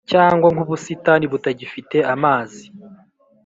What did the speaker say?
cyangwa nk’ubusitani butagifite amazi.